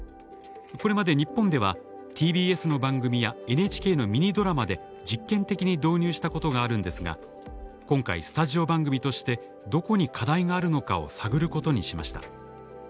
これまで日本ではＴＢＳの番組やＮＨＫのミニドラマで実験的に導入したことがあるんですが今回スタジオ番組としてどこに課題があるのかを探ることにしました。